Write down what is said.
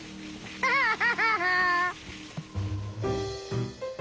ハハハハハ。